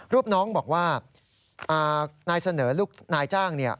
ลูกน้องบอกว่านายเสนอนุ้ยนายจ้าง